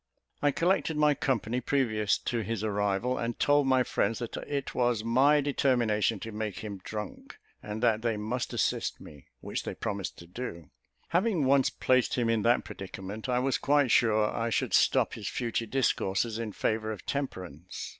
I collected my company previous to his arrival, and told my friends that it was my determination to make him drunk, and that they must assist me, which they promised to do. Having once placed him in that predicament, I was quite sure I should stop his future discourses in favour of temperance.